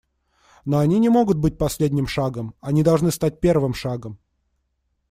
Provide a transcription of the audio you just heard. Но они не могут быть последним шагом − они должны стать первым шагом.